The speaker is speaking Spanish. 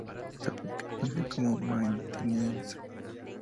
Esta práctica se conocía como "maintenance".